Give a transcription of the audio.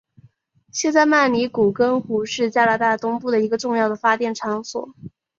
现在曼尼古根湖是加拿大东部一个重要的发电场所。